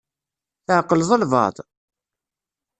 Tɛeqqleḍ albaɛḍ?